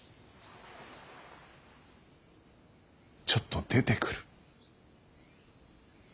ちょっと出てくる。